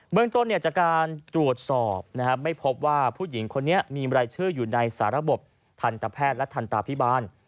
เมืองต้นจากการตรวจสอบไม่พบว่าผู้หญิงคนนี้มีรายชื่ออยู่ในสาระบบทันตแพทย์และทันตาพิบาล